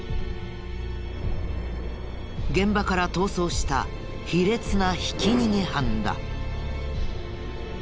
現場から逃走した卑劣なひき逃げ犯だ。